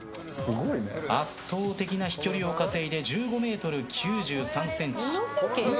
圧倒的な飛距離を稼いで１５ｍ９３ｃｍ。